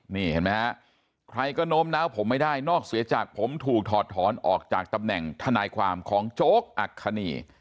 นี่เห็นไหมฮะใครก็โน้มน้าวผมไม่ได้นอกเสียจากผมถูกถอดถอนออกจากตำแหน่งทนายความของโจ๊กอัคคณี